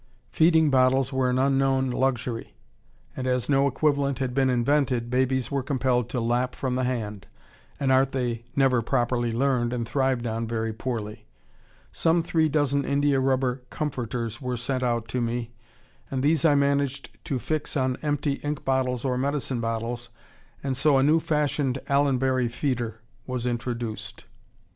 Feeding bottles were an unknown luxury, and, as no equivalent had been invented, babies were compelled to lap from the hand, an art they never properly learned and thrived on very poorly. Some three dozen india rubber "comforters" were sent out to me, and these I managed to fix on empty ink bottles or medicine bottles, and so a new fashioned "Allenbury feeder" was introduced.